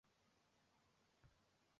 他的女儿叫格萝德。